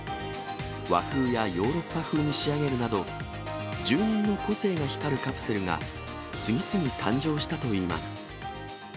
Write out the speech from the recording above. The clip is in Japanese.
和風やヨーロッパ風に仕上げるなど、住人の個性が光るカプセルが、次々誕生したといいます。